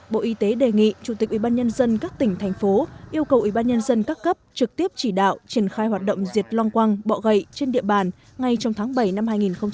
bộ y tế đề nghị chủ tịch ubnd các tỉnh thành phố yêu cầu ubnd các cấp trực tiếp chỉ đạo triển khai hoạt động diệt long quăng bọ gậy trên địa bàn ngay trong tháng bảy năm hai nghìn hai mươi